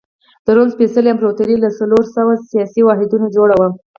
د روم سپېڅلې امپراتوري له څلور سوه سیاسي واحدونو جوړه وه.